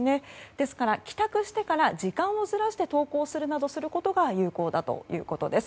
ですから、帰宅してから時間をずらして投稿するなどすることが有効だということです。